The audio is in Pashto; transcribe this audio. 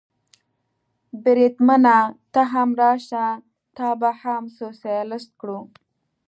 بریدمنه، ته هم راشه، تا به هم سوسیالیست کړو.